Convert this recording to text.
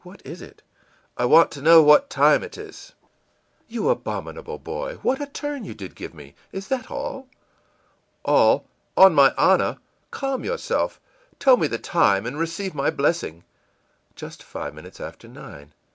What is it?î ìI want to know what time it is.î ìYou abominable boy, what a turn you did give me! Is that all?î ìAll on my honor. Calm yourself. Tell me the time, and receive my blessing.î ìJust five minutes after nine.